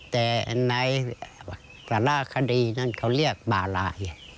แต่ในสาระคดีนั้นเขาเรียกบาราย